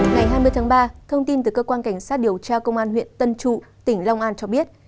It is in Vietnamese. ngày hai mươi tháng ba thông tin từ cơ quan cảnh sát điều tra công an huyện tân trụ tỉnh long an cho biết